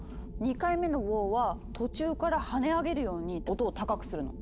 ２回目の「ウォー！」は途中から跳ね上げるように音を高くするの。